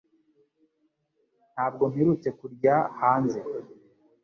Ntabwo mperutse kurya hanze